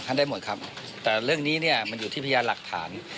ได้หมดครับแต่เรื่องนี้เนี่ยมันอยู่ที่พยานหลักฐาน